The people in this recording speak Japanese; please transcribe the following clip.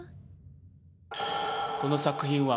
この作品は。